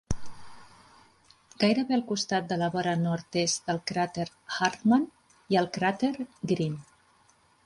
Gairebé al costat de la vora nord-est del cràter Hartmann hi ha el cràter Green.